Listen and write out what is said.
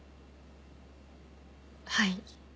はい。